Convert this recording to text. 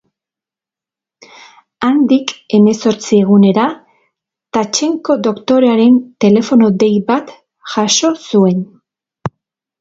Handik hemezortzi egunera Takchenko doktorearen telefono-dei bat jaso zuen.